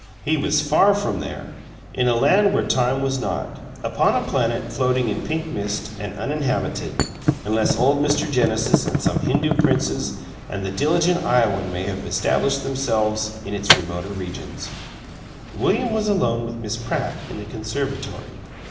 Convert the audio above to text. He was far from there, in a land where time was not. Upon a planet floating in pink mist, and uninhabited unless old Mr. Genesis and some Hindoo princes and the diligent Iowan may have established themselves in its remoter regions William was alone with Miss Pratt, in the conservatory.